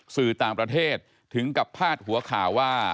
สื่อต่างประเทศถึงกับพาดหัวข่าวว่า